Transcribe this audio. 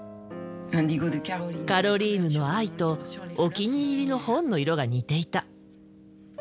カロリーヌの藍とお気に入りの本の色が似ていた。